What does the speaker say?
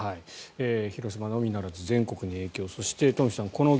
広島のみならず全国に影響そして東輝さん